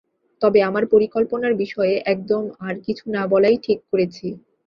তবে আমার পরিকল্পনার বিষয়ে একদম আর কিছু না বলাই ঠিক করেছি।